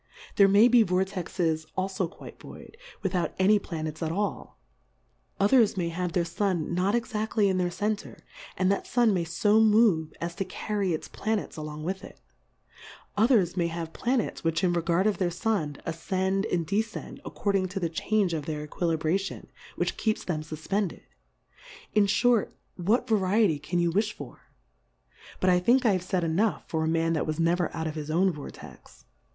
There may be Vor texes alfo quite void, without any Pla nets at all ; others may have their Sun not exaftly in their Center ; and that Sun may fo move, as to carry its Pla nets along with it : Others may have Planets, which in regard of their Sun, afcend, and defcend, according to the change of their Equilibration, which keeps them fufpended. In iliort, what Variety can you willi for ? But, I think, I have faid enough for a Man that was never out of his own Vortex.